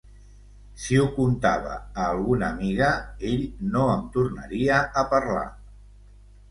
Si ho contava a alguna amiga, ell no em tornaria a parlar.